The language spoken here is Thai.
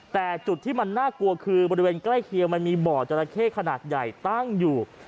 แต่จุดที่มันน่ากลัวคือบริเวณใกล้เคียงมันมีบ่อจราเข้ขนาดใหญ่ตั้งอยู่